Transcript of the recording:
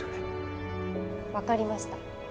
わかりました。